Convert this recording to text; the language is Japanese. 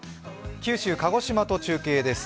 九州、鹿児島と中継です。